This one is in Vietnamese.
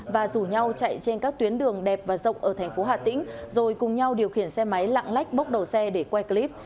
và rủ nhau chạy trên các tuyến đường đẹp và rộng ở tp htn rồi cùng nhau điều khiển xe máy lạng lách bốc đầu xe để quay clip